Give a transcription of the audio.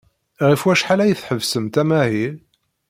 Ɣef wacḥal ay tḥebbsemt amahil?